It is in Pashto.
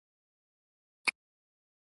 په ولسي کلتور کې موږ ټوکیان هم وینو.